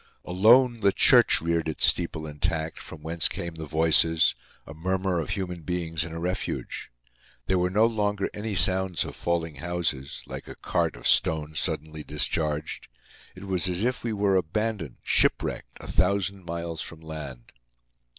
Alone, the church reared its steeple intact, from whence came the voices—a murmur of human beings in a refuge. There were no longer any sounds of falling houses, like a cart of stones suddenly discharged. It was as if we were abandoned, shipwrecked, a thousand miles from land.